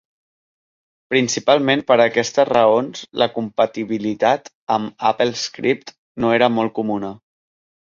Principalment per aquestes raons, la compatibilitat amb AppleScript no era molt comuna.